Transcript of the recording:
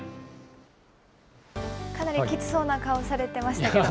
かなりきつそうな顔されてましたけど。